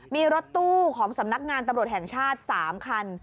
มีรถตู้ของสำนักงานตำรวจแห่งชาติ๓คัน